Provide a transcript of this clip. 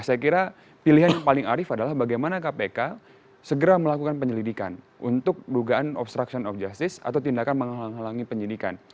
maksudnya pilihan yang paling arif adalah bagaimana kpk segera melakukan penyelidikan untuk dugaan obstruction of justice atau tindakan menghalangi penyelidikan